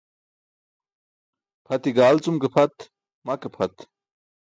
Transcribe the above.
Pʰati gal cum je ke pʰat, ma ke pʰat.